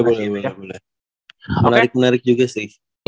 boleh boleh boleh menarik menarik juga sih